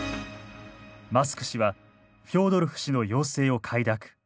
マスク氏はフョードロフ氏の要請を快諾。